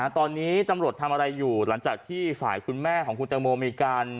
ตอนนี้ตำรวจทำอะไรอยู่หลังจากที่ฝ่ายคุณแม่ของคุณตังโมมีการ